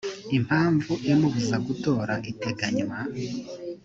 impamvu imubuza gutora iteganywa